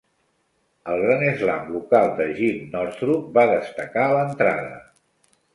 El Grand slam local de Jim Northrup va destacar l'entrada.